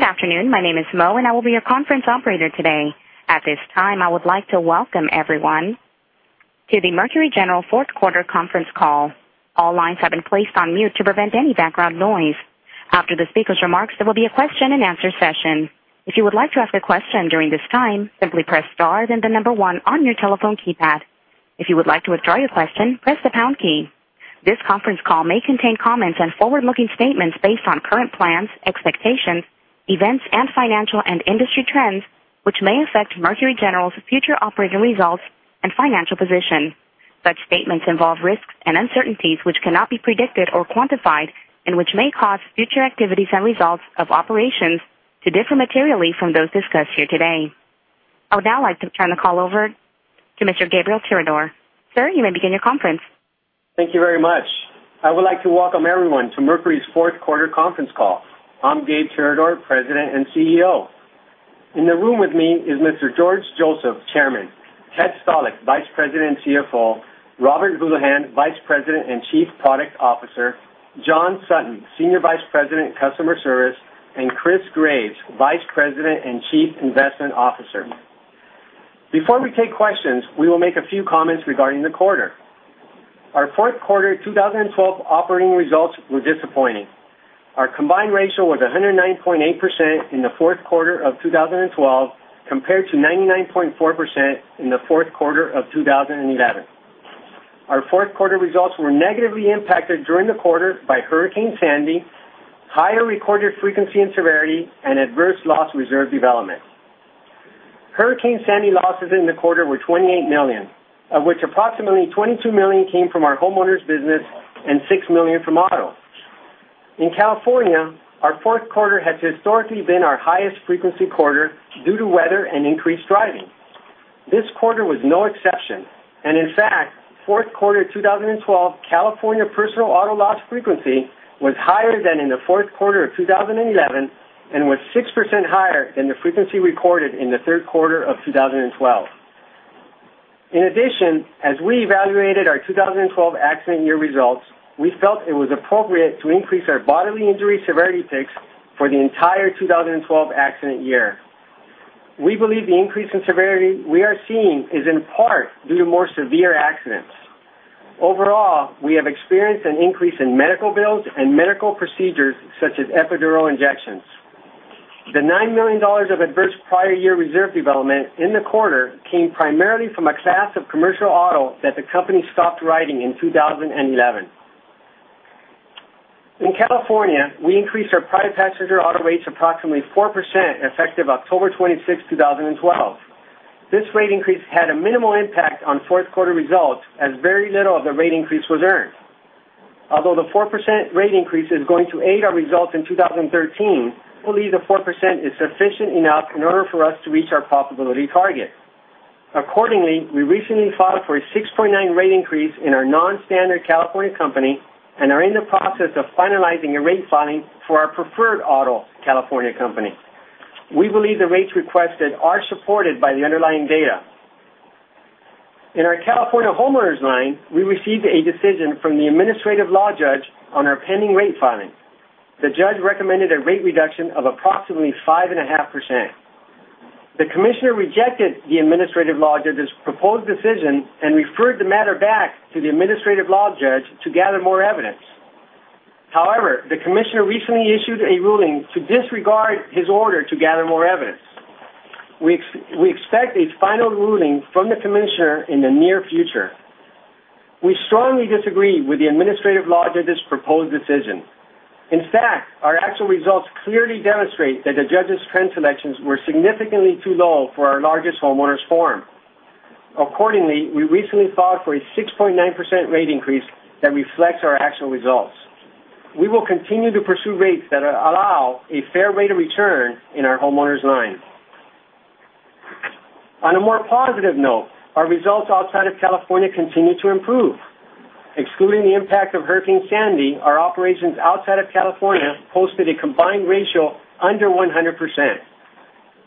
Good afternoon. My name is Mo, I will be your conference operator today. At this time, I would like to welcome everyone to the Mercury General Fourth Quarter Conference Call. All lines have been placed on mute to prevent any background noise. After the speakers' remarks, there will be a question-and-answer session. If you would like to ask a question during this time, simply press star, then the number one on your telephone keypad. If you would like to withdraw your question, press the pound key. This conference call may contain comments and forward-looking statements based on current plans, expectations, events, and financial and industry trends, which may affect Mercury General's future operating results and financial position. Such statements involve risks and uncertainties, which cannot be predicted or quantified and which may cause future activities and results of operations to differ materially from those discussed here today. I would now like to turn the call over to Mr. Gabriel Tirador. Sir, you may begin your conference. Thank you very much. I would like to welcome everyone to Mercury's Fourth Quarter conference call. I'm Gabe Tirador, President and CEO. In the room with me is Mr. George Joseph, Chairman, Ted Stalick, Vice President and CFO, Robert Houlihan, Vice President and Chief Product Officer, John Sutton, Senior Vice President Customer Service, and Christopher Graves, Vice President and Chief Investment Officer. Before we take questions, we will make a few comments regarding the quarter. Our Fourth Quarter 2012 operating results were disappointing. Our combined ratio was 109.8% in the Fourth Quarter of 2012, compared to 99.4% in the Fourth Quarter of 2011. Our Fourth Quarter results were negatively impacted during the quarter by Hurricane Sandy, higher recorded frequency and severity, and adverse loss reserve development. Hurricane Sandy losses in the quarter were $28 million, of which approximately $22 million came from our homeowners business and $6 million from auto. In California, our Fourth Quarter has historically been our highest frequency quarter due to weather and increased driving. This quarter was no exception, in fact, Fourth Quarter 2012 California personal auto loss frequency was higher than in the Fourth Quarter of 2011 and was 6% higher than the frequency recorded in the Third Quarter of 2012. In addition, as we evaluated our 2012 accident year results, we felt it was appropriate to increase our bodily injury severity picks for the entire 2012 accident year. We believe the increase in severity we are seeing is in part due to more severe accidents. Overall, we have experienced an increase in medical bills and medical procedures such as epidural injections. The $9 million of adverse prior year reserve development in the quarter came primarily from a class of commercial auto that the company stopped writing in 2011. In California, we increased our private passenger auto rates approximately 4% effective October 26, 2012. This rate increase had a minimal impact on fourth quarter results as very little of the rate increase was earned. Although the 4% rate increase is going to aid our results in 2013, we believe the 4% is sufficient enough in order for us to reach our profitability target. Accordingly, we recently filed for a 6.9% rate increase in our non-standard California company and are in the process of finalizing a rate filing for our preferred auto California company. We believe the rates requested are supported by the underlying data. In our California homeowners line, we received a decision from the administrative law judge on our pending rate filing. The judge recommended a rate reduction of approximately 5.5%. The commissioner rejected the administrative law judge's proposed decision and referred the matter back to the administrative law judge to gather more evidence. The commissioner recently issued a ruling to disregard his order to gather more evidence. We expect a final ruling from the commissioner in the near future. We strongly disagree with the administrative law judge's proposed decision. In fact, our actual results clearly demonstrate that the judge's trend selections were significantly too low for our largest homeowners form. Accordingly, we recently filed for a 6.9% rate increase that reflects our actual results. We will continue to pursue rates that allow a fair rate of return in our homeowners line. On a more positive note, our results outside of California continue to improve. Excluding the impact of Hurricane Sandy, our operations outside of California posted a combined ratio under 100%.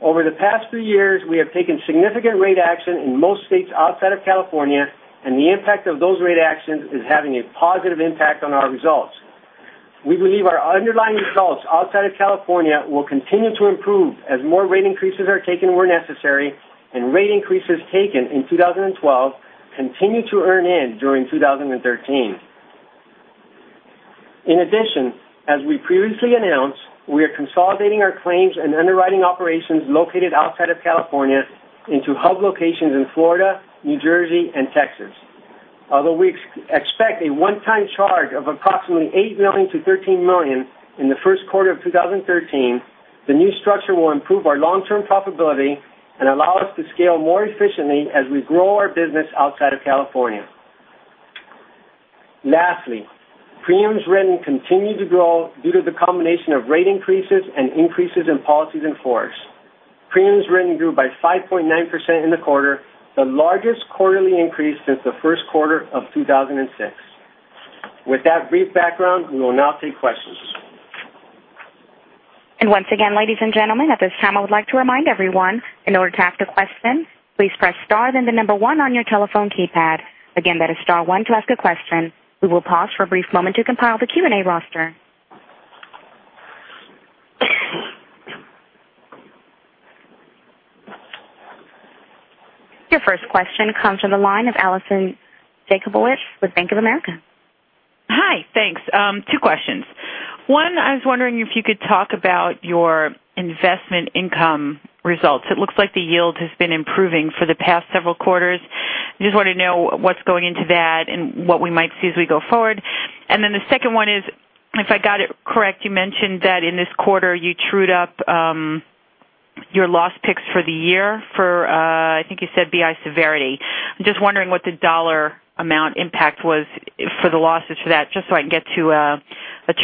Over the past three years, we have taken significant rate action in most states outside of California, the impact of those rate actions is having a positive impact on our results. We believe our underlying results outside of California will continue to improve as more rate increases are taken where necessary and rate increases taken in 2012 continue to earn in during 2013. As we previously announced, we are consolidating our claims and underwriting operations located outside of California into hub locations in Florida, New Jersey, and Texas. Although we expect a one-time charge of approximately $8 million-$13 million in the first quarter of 2013, the new structure will improve our long-term profitability and allow us to scale more efficiently as we grow our business outside of California. Lastly, premiums written continue to grow due to the combination of rate increases and increases in policies in force. Premiums written grew by 5.9% in the quarter, the largest quarterly increase since the first quarter of 2006. With that brief background, we will now take questions. Once again, ladies and gentlemen, at this time, I would like to remind everyone, in order to ask a question, please press star, then the 1 on your telephone keypad. Again, that is star 1 to ask a question. We will pause for a brief moment to compile the Q&A roster. Your first question comes from the line of Alison Jakubowicz with Bank of America. Hi. Thanks. Two questions. One, I was wondering if you could talk about your investment income results. It looks like the yield has been improving for the past several quarters. I just want to know what's going into that and what we might see as we go forward. The second one is, if I got it correct, you mentioned that in this quarter you trued up your loss picks for the year for, I think you said BI severity. I'm just wondering what the dollar amount impact was for the losses for that, just so I can get to a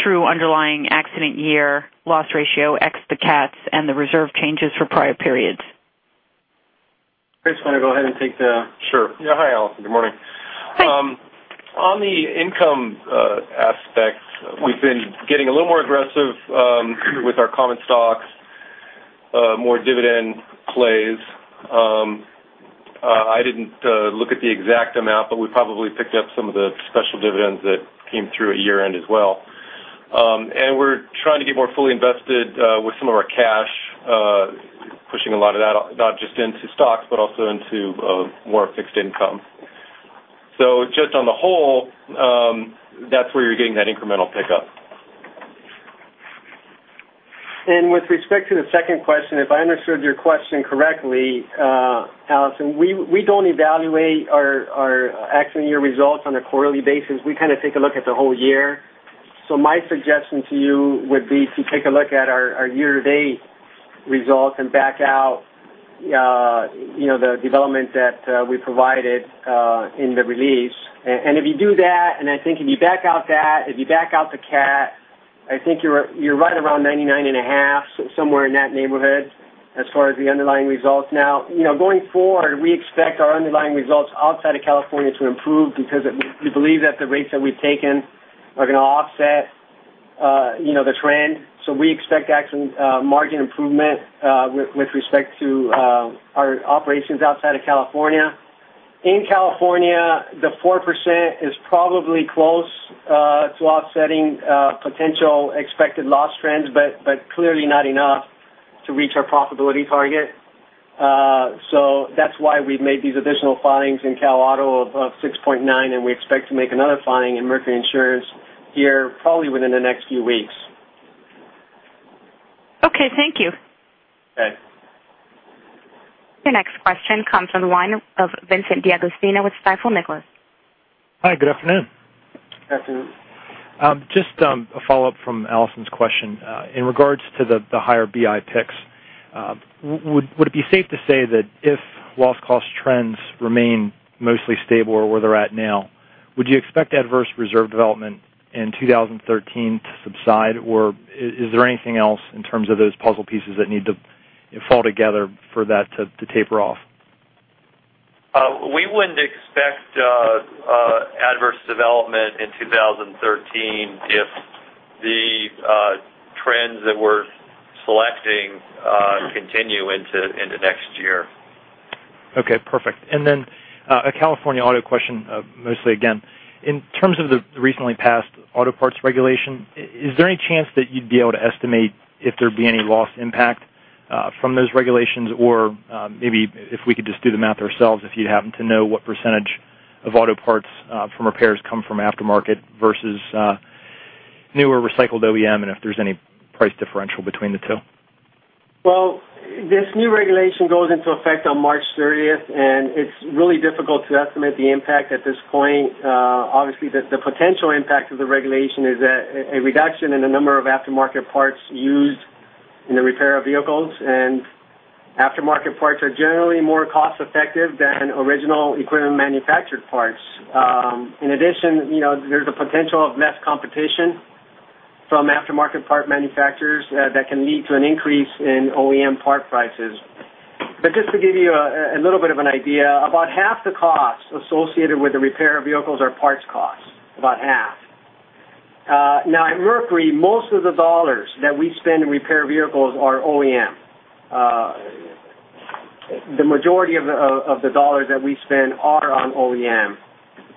true underlying accident year loss ratio ex the CATs and the reserve changes for prior periods. Chris, want to go ahead and take that? Sure. Yeah. Hi, Alison. Good morning. Hi. On the income aspects, we've been getting a little more aggressive with our common stocks, more dividend plays. I didn't look at the exact amount, but we probably picked up some of the special dividends that came through at year-end as well. We're trying to get more fully invested with some of our cash, pushing a lot of that not just into stocks but also into more fixed income. Just on the whole, that's where you're getting that incremental pickup. With respect to the second question, if I understood your question correctly, Alison, we don't evaluate our accident year results on a quarterly basis. We kind of take a look at the whole year. My suggestion to you would be to take a look at our year-to-date results and back out the development that we provided in the release. If you do that, and I think if you back out that, if you back out the CAT, I think you're right around 99.5, somewhere in that neighborhood as far as the underlying results. Going forward, we expect our underlying results outside of California to improve because we believe that the rates that we've taken are going to offset the trend. We expect margin improvement with respect to our operations outside of California. In California, the 4% is probably close to offsetting potential expected loss trends, but clearly not enough to reach our profitability target. That's why we've made these additional filings in Cal Auto of 6.9, and we expect to make another filing in Mercury Insurance here probably within the next few weeks. Okay. Thank you. Okay. Your next question comes from the line of Vincent D'Agostino with Stifel Nicolaus. Hi, good afternoon. Afternoon. Just a follow-up from Alison's question. In regards to the higher BI picks, would it be safe to say that if loss cost trends remain mostly stable or where they're at now, would you expect adverse reserve development in 2013 to subside? Is there anything else in terms of those puzzle pieces that need to fall together for that to taper off? We wouldn't expect adverse development in 2013 if the trends that we're selecting continue into next year. Okay. Perfect. A California Auto question mostly again. In terms of the recently passed auto parts regulation, is there any chance that you'd be able to estimate if there'd be any loss impact from those regulations? Maybe if we could just do the math ourselves, if you happen to know what % of auto parts from repairs come from aftermarket versus newer recycled OEM, and if there's any price differential between the two? Well, this new regulation goes into effect on March 30th. It's really difficult to estimate the impact at this point. Obviously, the potential impact of the regulation is a reduction in the number of aftermarket parts used in the repair of vehicles. Aftermarket parts are generally more cost-effective than original equipment manufactured parts. In addition, there's a potential of less competition from aftermarket part manufacturers that can lead to an increase in OEM part prices. Just to give you a little bit of an idea, about half the cost associated with the repair of vehicles are parts costs, about half. Now, at Mercury, most of the dollars that we spend in repair vehicles are OEM. The majority of the dollars that we spend are on OEM.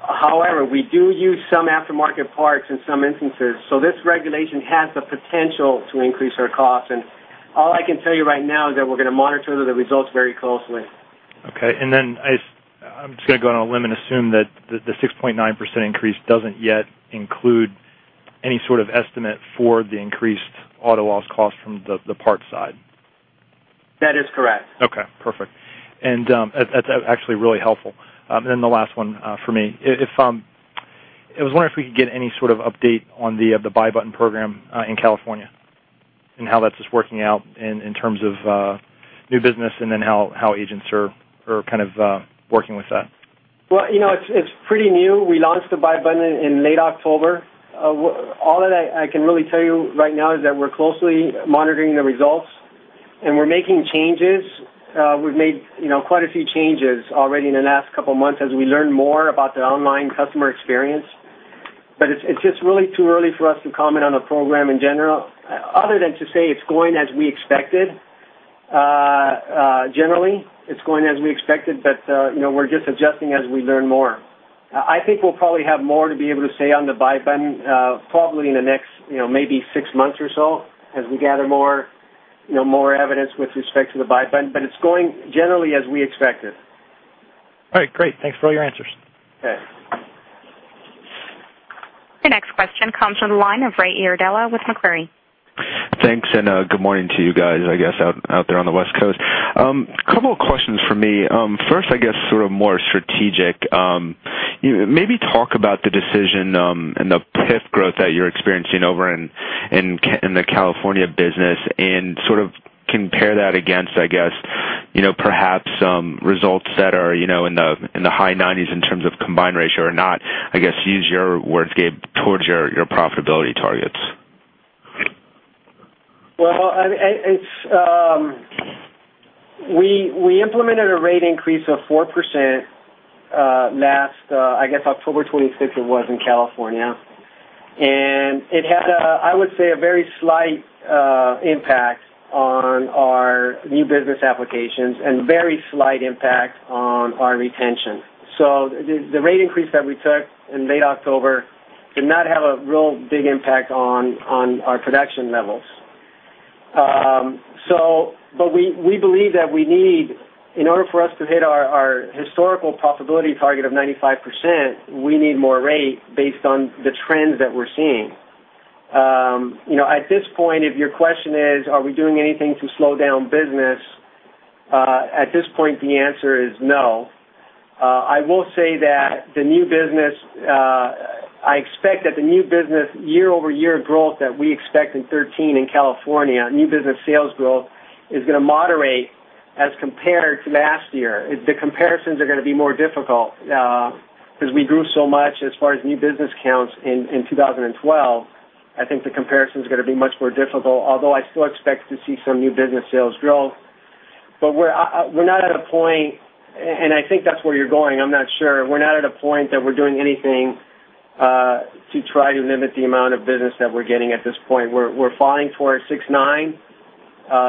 However, we do use some aftermarket parts in some instances. This regulation has the potential to increase our costs. All I can tell you right now is that we're going to monitor the results very closely. Okay. I'm just going to go on a limb and assume that the 6.9% increase doesn't yet include any sort of estimate for the increased auto loss cost from the parts side. That is correct. Perfect. That's actually really helpful. The last one for me. I was wondering if we could get any sort of update on the Buy Button program in California and how that's working out in terms of new business how agents are kind of working with that. Well, it's pretty new. We launched the Buy Button in late October. All that I can really tell you right now is that we're closely monitoring the results. We're making changes. We've made quite a few changes already in the last couple of months as we learn more about the online customer experience. It's just really too early for us to comment on the program in general, other than to say it's going as we expected. Generally, it's going as we expected. We're just adjusting as we learn more. I think we'll probably have more to be able to say on the Buy Button probably in the next maybe 6 months or so as we gather more evidence with respect to the Buy Button. It's going generally as we expected. All right, great. Thanks for all your answers. Okay. Your next question comes from the line of Ray Iardella with Macquarie. Thanks, good morning to you guys, I guess, out there on the West Coast. Couple of questions from me. First, I guess sort of more strategic. Maybe talk about the decision, the PIF growth that you're experiencing over in the California business, compare that against, I guess, perhaps results that are in the high 90s in terms of combined ratio or not. I guess, use your words, Gabe, towards your profitability targets. Well, we implemented a rate increase of 4% last, I guess October 26th it was in California. It had, I would say, a very slight impact on our new business applications and very slight impact on our retention. The rate increase that we took in late October did not have a real big impact on our production levels. We believe that in order for us to hit our historical profitability target of 95%, we need more rate based on the trends that we're seeing. At this point, if your question is, are we doing anything to slow down business? At this point, the answer is no. I will say that I expect that the new business year-over-year growth that we expect in 2013 in California, new business sales growth, is going to moderate as compared to last year. The comparisons are going to be more difficult, because we grew so much as far as new business counts in 2012. I think the comparison's going to be much more difficult, although I still expect to see some new business sales growth. We're not at a point, and I think that's where you're going, I'm not sure. We're not at a point that we're doing anything to try to limit the amount of business that we're getting at this point. We're filing for our six-nine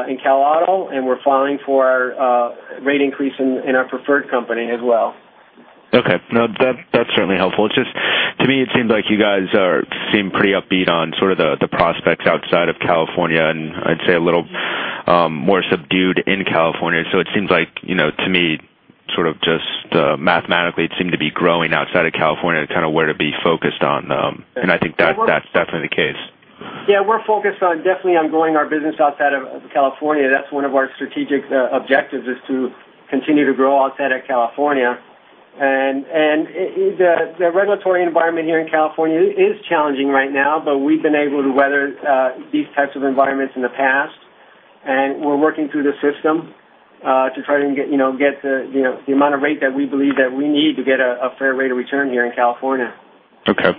in Cal Auto, we're filing for our rate increase in our preferred company as well. Okay. No, that's certainly helpful. It's just, to me, it seems like you guys seem pretty upbeat on sort of the prospects outside of California, and I'd say a little more subdued in California. It seems like, to me, sort of just mathematically, it seemed to be growing outside of California and kind of where to be focused on. I think that's definitely the case. Yeah, we're focused on definitely on growing our business outside of California. That's one of our strategic objectives is to continue to grow outside of California. The regulatory environment here in California is challenging right now, but we've been able to weather these types of environments in the past, and we're working through the system to try and get the amount of rate that we believe that we need to get a fair rate of return here in California. Okay.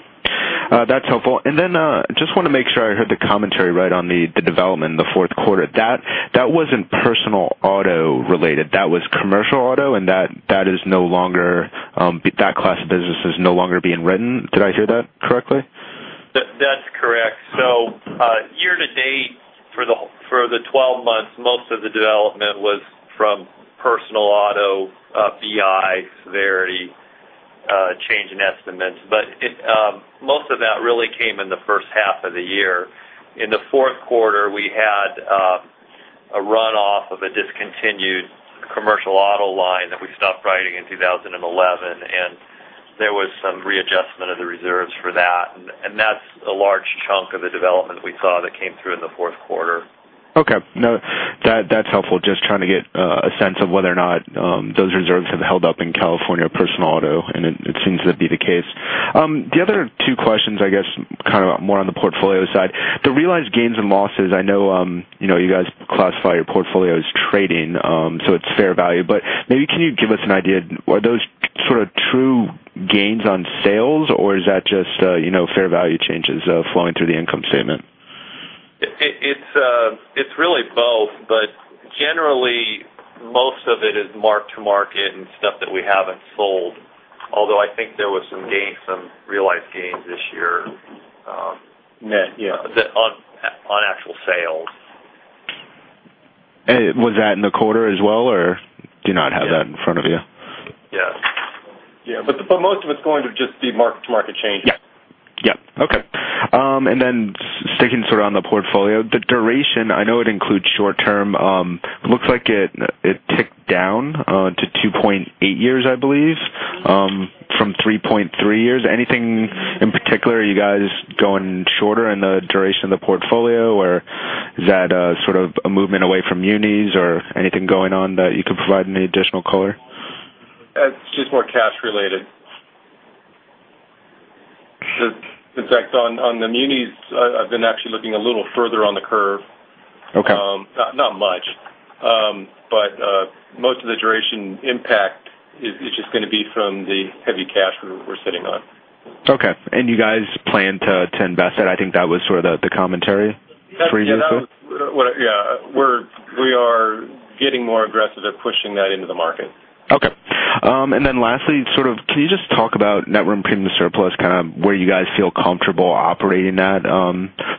That's helpful. Just want to make sure I heard the commentary right on the development in the fourth quarter. That wasn't personal auto related. That was commercial auto, and that class of business is no longer being written. Did I hear that correctly? That's correct. Year to date for the 12 months, most of the development was from personal auto BI severity change in estimates. Most of that really came in the first half of the year. In the fourth quarter, we had a runoff of a discontinued commercial auto line that we stopped writing in 2011, and there was some readjustment of the reserves for that. That's a large chunk of the development we saw that came through in the fourth quarter. No, that's helpful. Just trying to get a sense of whether or not those reserves have held up in California personal auto, and it seems to be the case. The other two questions, I guess, kind of more on the portfolio side. The realized gains and losses. I know you guys classify your portfolio as trading, so it's fair value. Maybe can you give us an idea, are those sort of true gains on sales or is that just fair value changes flowing through the income statement? It's really both, but generally, most of it is mark to market and stuff that we haven't sold. Although I think there was some realized gains this year on actual sales. Was that in the quarter as well, or do you not have that in front of you? Yes. Most of it's going to just be mark to market changes. Okay. Sticking sort of on the portfolio. The duration, I know it includes short term. It looks like it ticked down to 2.8 years, I believe, from 3.3 years. Anything in particular? Are you guys going shorter in the duration of the portfolio, or is that a sort of a movement away from munis or anything going on that you could provide any additional color? It's just more cash related. In fact, on the munis, I've been actually looking a little further on the curve. Okay. Not much. Most of the duration impact is just going to be from the heavy cash we're sitting on. Okay. You guys plan to invest that. I think that was sort of the commentary for you too. Yeah. We are getting more aggressive at pushing that into the market. Okay. Lastly, can you just talk about net premium surplus, kind of where you guys feel comfortable operating at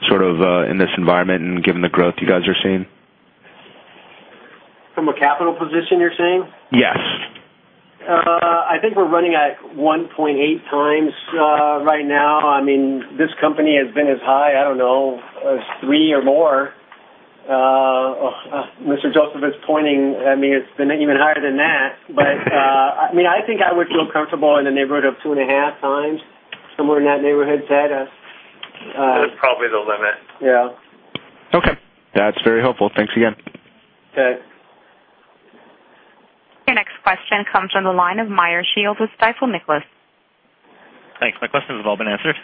sort of in this environment and given the growth you guys are seeing? From a capital position, you're saying? Yes. I think we're running at 1.8 times right now. This company has been as high, I don't know, as three or more. Mr. Joseph is pointing at me. It's been even higher than that. I think I would feel comfortable in the neighborhood of two and a half times, somewhere in that neighborhood, Ted. That's probably the limit. Yeah. Okay. That's very helpful. Thanks again. Okay. Your next question comes from the line of Meyer Shields with Stifel Nicolaus. Thanks. My questions have all been answered.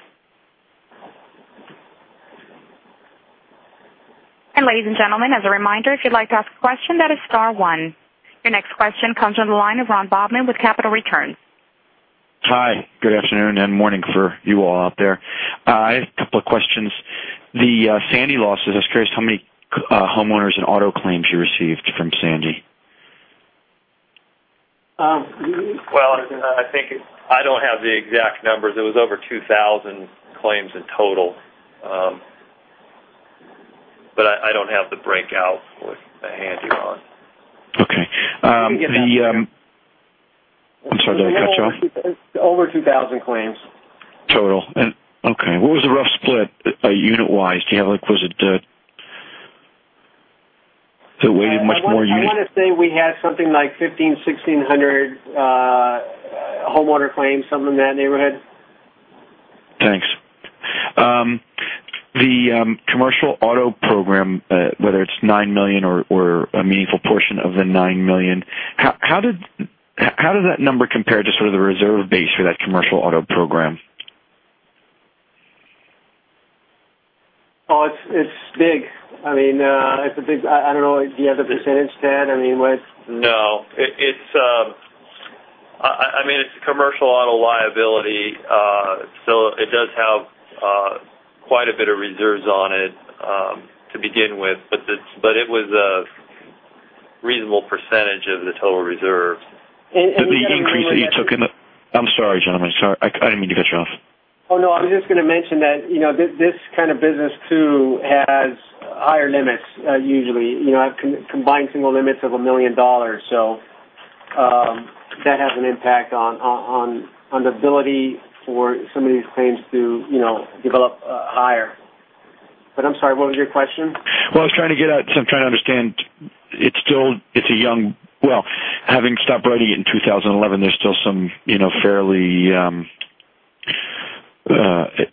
ladies and gentlemen, as a reminder, if you'd like to ask a question, that is star one. Your next question comes from the line of Ronald Bobman with Capital Returns. Hi, good afternoon and morning for you all out there. I have a couple of questions. The Sandy losses, I was curious how many homeowners and auto claims you received from Sandy. I don't have the exact numbers. It was over 2,000 claims in total. I don't have the breakout at hand, Ron. Okay. We can get that to you. I'm sorry, did I cut you off? Over 2,000 claims. Total. Okay. What was the rough split unit-wise? Do you have like, was it that way much more? I want to say we had something like 1,500, 1,600 homeowner claims, something in that neighborhood. Thanks. The commercial auto program, whether it's $9 million or a meaningful portion of the $9 million, how did that number compare to sort of the reserve base for that commercial auto program? Oh, it's big. I don't know. Do you have the percentage, Ted? No. It's a commercial auto liability, so it does have quite a bit of reserves on it to begin with, but it was a reasonable percentage of the total reserve. The increase that you took. I'm sorry, gentlemen. Sorry, I didn't mean to cut you off. Oh, no. I was just going to mention that this kind of business too has higher limits usually, combined single limits of $1 million. That has an impact on the ability for some of these claims to develop higher. I'm sorry, what was your question? Well, I'm trying to understand. Well, having stopped writing it in 2011,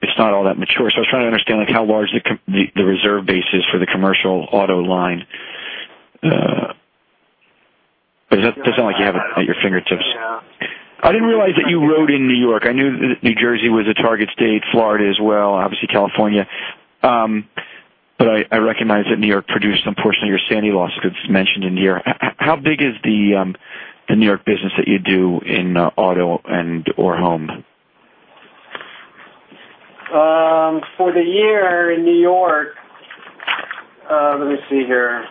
it's not all that mature. I was trying to understand how large the reserve base is for the commercial auto line. It doesn't sound like you have it at your fingertips. Yeah. I didn't realize that you wrote in N.Y. I knew that New Jersey was a target state, Florida as well, obviously California. I recognize that N.Y. produced some portion of your Hurricane Sandy loss because it's mentioned in here. How big is the N.Y. business that you do in auto and/or home? For the year in N.Y., let me see here.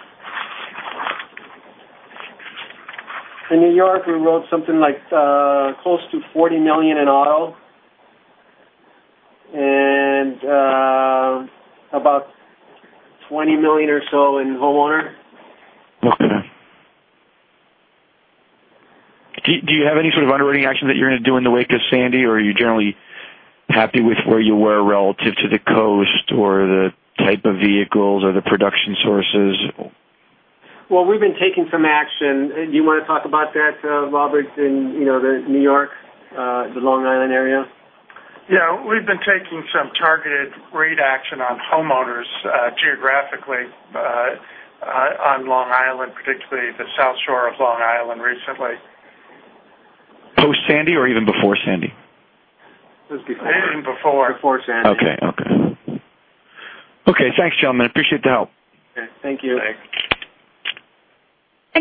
In N.Y., we wrote something like close to $40 million in auto and about $20 million or so in homeowners. Okay. Do you have any sort of underwriting action that you're going to do in the wake of Sandy, or are you generally happy with where you were relative to the coast or the type of vehicles or the production sources? Well, we've been taking some action. Do you want to talk about that, Robert, in the New York, the Long Island area? Yeah. We've been taking some targeted rate action on homeowners geographically on Long Island, particularly the South Shore of Long Island recently. Post Sandy or even before Sandy? It was before. Before. Before Sandy. Okay. Okay, thanks, gentlemen. Appreciate the help. Okay, thank you. Thanks.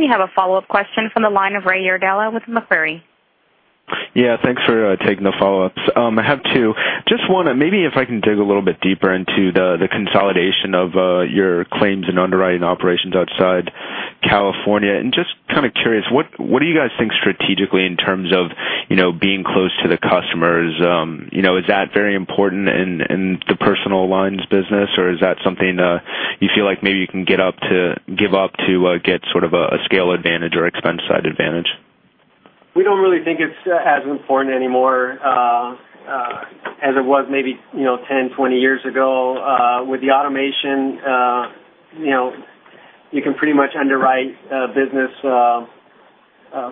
You have a follow-up question from the line of Ray Yerdella with Macquarie. Yeah, thanks for taking the follow-ups. I have two. Just one, maybe if I can dig a little bit deeper into the consolidation of your claims and underwriting operations outside California. Just kind of curious, what do you guys think strategically in terms of being close to the customers? Is that very important in the personal lines business, or is that something you feel like maybe you can give up to get sort of a scale advantage or expense side advantage? We don't really think it's as important anymore as it was maybe 10, 20 years ago. With the automation, you can pretty much underwrite a business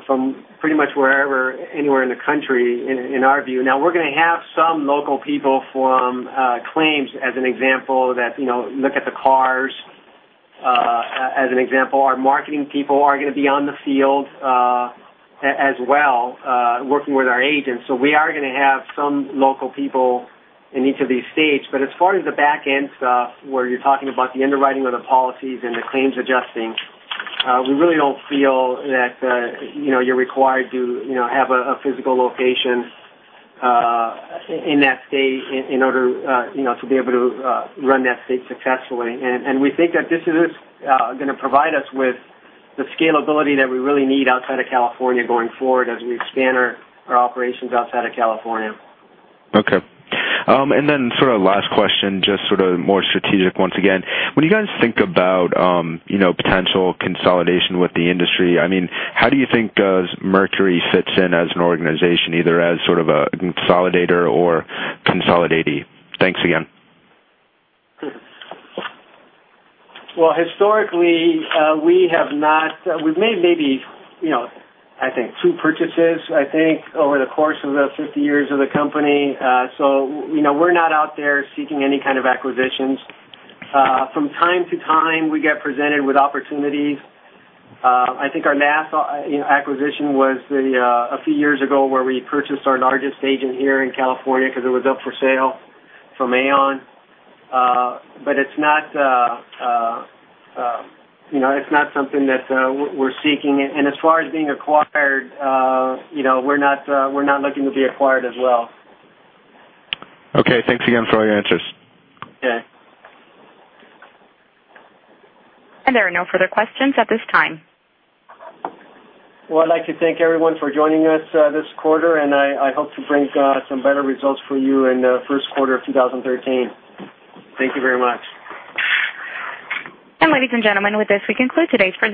from pretty much anywhere in the country in our view. We're going to have some local people from claims, as an example, that look at the cars, as an example. Our marketing people are going to be on the field as well, working with our agents. We are going to have some local people in each of these states. As far as the back-end stuff, where you're talking about the underwriting of the policies and the claims adjusting, we really don't feel that you're required to have a physical location in that state in order to be able to run that state successfully. We think that this is going to provide us with the scalability that we really need outside of California going forward as we expand our operations outside of California. Okay. Sort of last question, just sort of more strategic once again. When you guys think about potential consolidation with the industry, how do you think Mercury fits in as an organization, either as sort of a consolidator or consolidatee? Thanks again. Well, historically, we've made maybe I think two purchases, I think, over the course of the 50 years of the company. We're not out there seeking any kind of acquisitions. From time to time, we get presented with opportunities. I think our last acquisition was a few years ago where we purchased our largest agent here in California because it was up for sale from Aon. It's not something that we're seeking. As far as being acquired, we're not looking to be acquired as well. Okay, thanks again for all your answers. Okay. There are no further questions at this time. Well, I'd like to thank everyone for joining us this quarter, and I hope to bring some better results for you in the first quarter of 2013. Thank you very much. Ladies and gentlemen, with this, we conclude today's presentation.